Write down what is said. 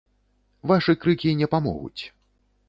Вашы крыкі не памогуць.